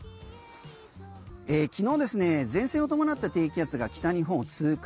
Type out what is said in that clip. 昨日、前線を伴った低気圧が北日本を通過。